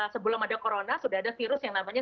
sebelum ada corona sudah ada virus yang namanya